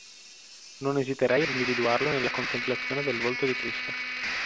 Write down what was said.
Non esiterei ad individuarlo nella contemplazione del volto di Cristo.